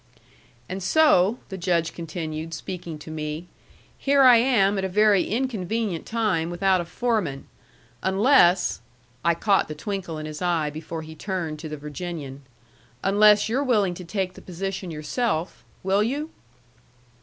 "And so," the Judge continued speaking to me, "here I am at a very inconvenient time without a foreman. Unless," I caught the twinkle in his eyes before he turned to the Virginian, "unless you're willing to take the position yourself. Will you?"